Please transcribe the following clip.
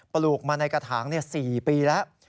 ปลูกมาในกระถาง๔ปีแล้ว